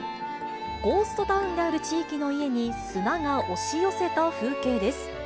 ゴーストタウンである地域の家に砂が押し寄せた風景です。